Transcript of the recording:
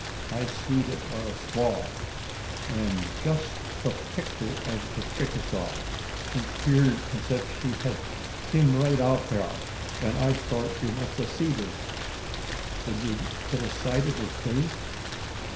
I seed it war a squaw; an' jest the picter o' the Chicasaw. She 'peared as ef she hed kim right from hyar, an' I thort you must a seed her." "Did you get sight of her face?"